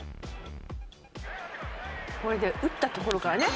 「これで打ったところからね。